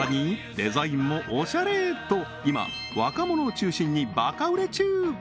デザインもオシャレと今若者を中心にバカ売れ中！